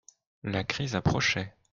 La crise approchait.